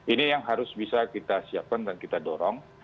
ini yang harus bisa kita siapkan dan kita dorong